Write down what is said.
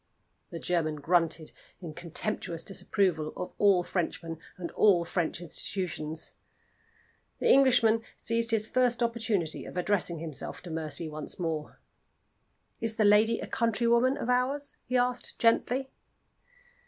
The German grunted in contemptuous disapproval of all Frenchmen, and all French institutions. The Englishman seized his first opportunity of addressing himself to Mercy once more. "Is the lady a countrywoman of ours?" he asked, gently.